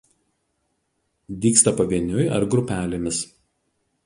Dygsta pavieniui ar grupelėmis.